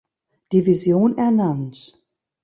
Division ernannt.